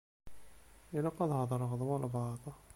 Ilaq ad heḍṛeɣ d walebɛaḍ.